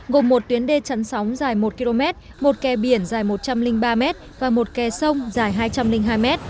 gồm một tuyến đê chắn sóng dài một km một kè biển dài một trăm linh ba m và một kè sông dài hai trăm linh hai m